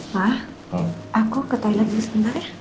pak aku ke toilet dulu sebentar ya